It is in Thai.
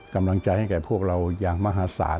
กำลังใจให้แก่พวกเราอย่างมหาศาล